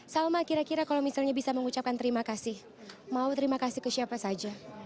salma kira kira kalau misalnya bisa mengucapkan terima kasih mau terima kasih ke siapa saja